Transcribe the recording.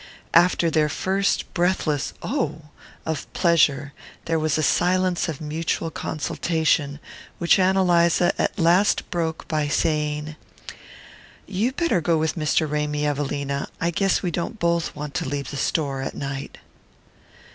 After their first breathless "Oh!" of pleasure there was a silence of mutual consultation, which Ann Eliza at last broke by saying: "You better go with Mr. Ramy, Evelina. I guess we don't both want to leave the store at night."